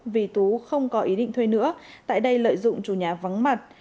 vì tú không có ý định thuê nữa tại đây lợi dụng chủ nhà vắng mặt